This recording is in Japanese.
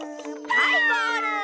はいゴール！